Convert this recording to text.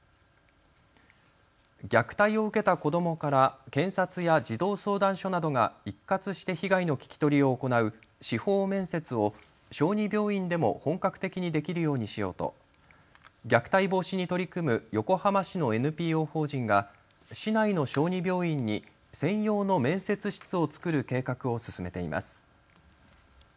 虐待を受けた子どもから検察や児童相談所などが一括して被害の聞き取りを行う司法面接を小児病院でも本格的にできるようにしようと虐待防止に取り組む横浜市のＮＰＯ法人が市内の小児病院に専用の面接室を作る計画を進めています。